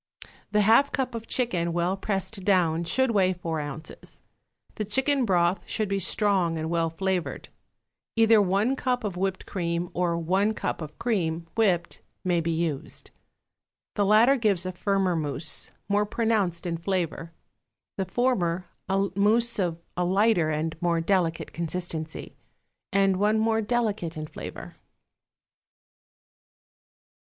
The half cup of chicken, well pressed down, should weigh four ounces. The chicken broth should be strong and well flavored. Either one cup of whipped cream, or one cup of cream, whipped, may be used. The latter gives a firmer mousse, more pronounced in flavor; the former, a mousse of a lighter and more delicate consistency, and one more delicate in flavor.